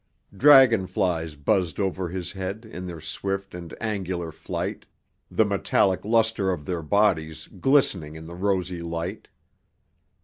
Dragonflies buzzed over his head in their swift and angular flight, the metallic luster of their bodies glistening in the rosy light.